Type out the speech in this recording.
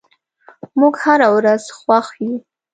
موږ هره ورځ خوښ یو.